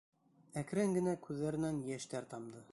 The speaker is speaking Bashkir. Әкрен генә күҙҙәренән йәштәр тамды.